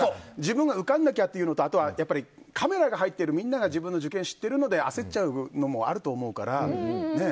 自分が受からなきゃっていうのとあとはカメラが入っててみんなが自分の受験を知ってて焦っちゃうのもあると思うから。